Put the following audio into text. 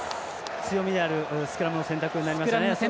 強みであるスクラムの選択になりましたね。